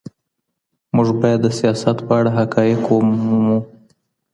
موږ بايد د سياست په اړه حقايق ومومو.